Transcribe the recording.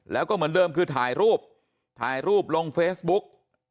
แล้วก็เหมือนเดิมคือถ่ายรูปถ่ายรูปลงเฟซบุ๊ก